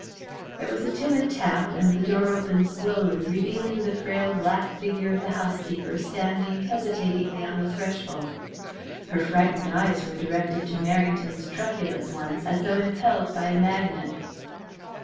There was a timid tap, and the door opened slowly, revealing the frail black figure of the housekeeper standing hesitatingly on the threshold. Her frightened eyes were directed to Merrington's truculent ones as though impelled by a magnet.